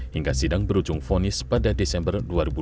hingga sidang berujung fonis pada desember dua ribu dua puluh